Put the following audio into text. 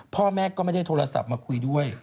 พ่อแม่ก็ไม่ได้โทรศัพท์มาคุยด้วย